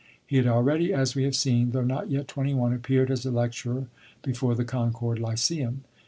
He had already, as we have seen, though not yet twenty one, appeared as a lecturer before the Concord Lyceum.